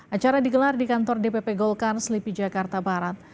acara digelar di kantor dpp golkar selipi jakarta barat